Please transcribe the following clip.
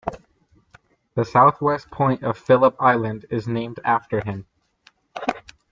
The south-west point of Phillip Island is named after him.